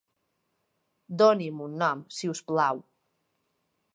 Doni'm un nom, si us plau.